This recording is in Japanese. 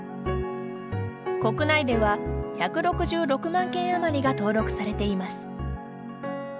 国内では、１６６万件あまりが登録されています。